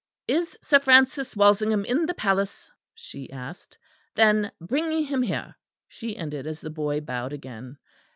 "Is Sir Francis Walsingham in the palace?" she asked, "then bring him here," she ended, as the boy bowed again.